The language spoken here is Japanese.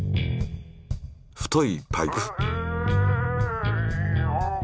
太いパイプ。